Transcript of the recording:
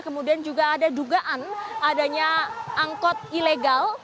kemudian juga ada dugaan adanya angkot ilegal